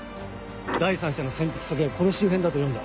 第三者の潜伏先がこの周辺だと読んだ。